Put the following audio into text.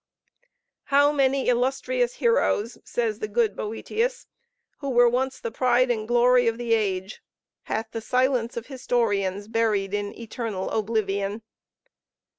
"How many illustrious heroes," says the good Boetius, "who were once the pride and glory of the age, hath the silence of historians buried in eternal oblivion!"